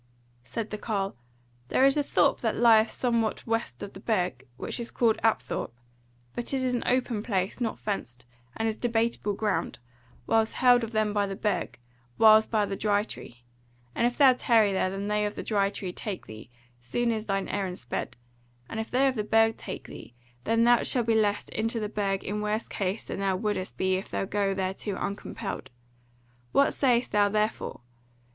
Said the Carle: "There is a thorp that lieth somewhat west of the Burg, which is called Apthorp; but it is an open place, not fenced, and is debateable ground, whiles held by them of the Burg, whiles by the Dry Tree; and if thou tarry there, and they of the Dry Tree take thee, soon is thine errand sped; and if they of the Burg take thee, then shalt thou be led into the Burg in worse case than thou wouldest be if thou go thereto uncompelled. What sayest thou, therefore?